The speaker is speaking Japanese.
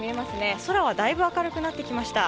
空はだいぶ明るくなってきました。